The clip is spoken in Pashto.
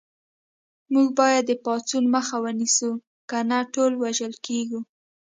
موږ باید د پاڅون مخه ونیسو کنه ټول وژل کېږو